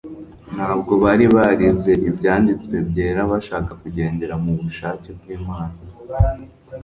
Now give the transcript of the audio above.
Ntabwo bari barize Ibyanditswe byera bashaka kugendera mu bushake bw'Imana.